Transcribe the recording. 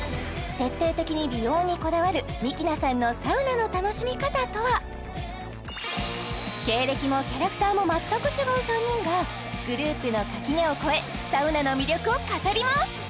徹底的に美容にこだわるｍｉｋｉｎａさんのサウナの楽しみ方とは経歴もキャラクターも全く違う３人がグループの垣根を越えサウナの魅力を語ります！